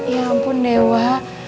ya ampun dewa